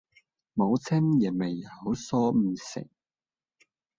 母親也沒有説不行。